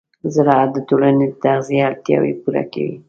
زراعت د ټولنې د تغذیې اړتیاوې پوره کوي.